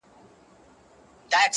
د گران صفت كومه